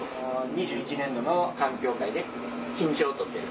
２０２１年度の鑑評会で金賞を取ってる。